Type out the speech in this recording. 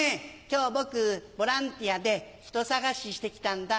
今日僕ボランティアで人捜しして来たんだ。